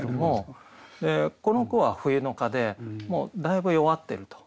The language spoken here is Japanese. この句は「冬の蚊」でもうだいぶ弱ってると。